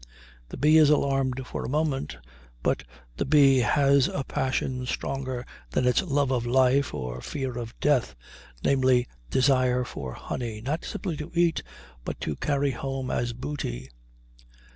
The bee is alarmed for a moment, but the bee has a passion stronger than its love of life or fear of death, namely, desire for honey, not simply to eat, but to carry home as booty.